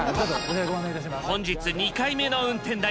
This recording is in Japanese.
本日２回目の運転台。